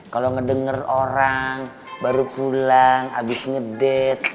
kalo ngedenger orang baru pulang abis ngedate